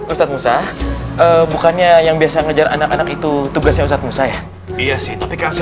ustadz musa bukannya yang biasa ngejar anak anak itu tugasnya ustadz musa ya iya sih tapi langsung